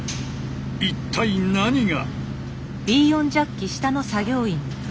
一体何が？